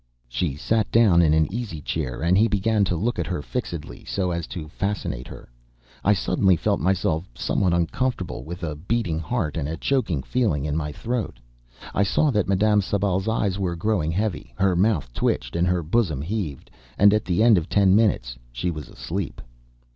She sat down in an easy chair, and he began to look at her fixedly, so as to fascinate her. I suddenly felt myself somewhat uncomfortable, with a beating heart and a choking feeling in my throat. I saw that Madame Sablé's eyes were growing heavy, her mouth twitched and her bosom heaved, and at the end of ten minutes she was asleep.